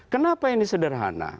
kenapa yang sederhana